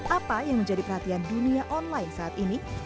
apa yang menjadi perhatian dunia online saat ini